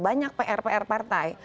banyak pr pr partai